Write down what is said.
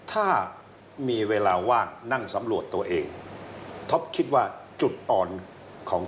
ถ้ามีเวลาว่างนั่งสำรวจตัวเอง